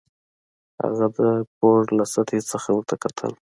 هغه د پوړ له سطحې څخه ورته وکتل